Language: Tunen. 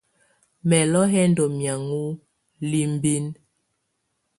Mɛlɔ yɛ ndɔ́ mɛ̀ágɔ̀á libinǝ.